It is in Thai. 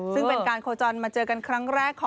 ซึ่งเป็นการโคจรมาเจอกันครั้งแรก